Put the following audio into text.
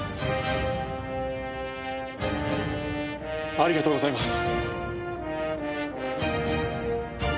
ありがとうございます。